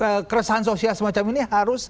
oke nah ini keresahan sosial semacam ini harus sejak